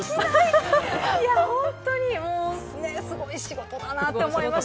本当にすごい仕事だなと思います。